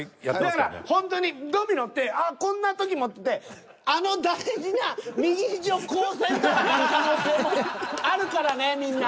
だからほんとにドミノってあっこんな時もつってあの大事な右肘をこうせんとあかん可能性もあるからねみんな。